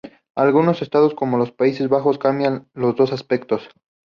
Algunos estados, como los Países Bajos, combinan los dos aspectos.